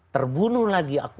terbunuh lagi aku